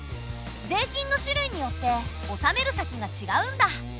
税金の種類によって納める先がちがうんだ。